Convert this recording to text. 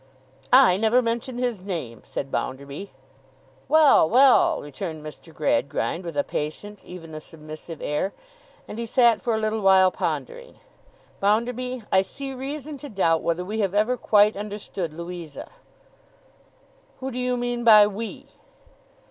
'I never mentioned his name!' said Bounderby. 'Well, well!' returned Mr. Gradgrind, with a patient, even a submissive, air. And he sat for a little while pondering. 'Bounderby, I see reason to doubt whether we have ever quite understood Louisa.' 'Who do you mean by We?